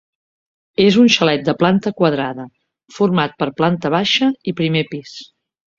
És un xalet de planta quadrada, format per planta baixa i primer pis.